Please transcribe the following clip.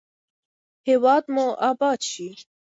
هیواد مو اباد شي.